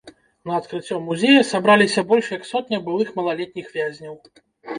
На адкрыццё музея сабраліся больш як сотня былых малалетніх вязняў.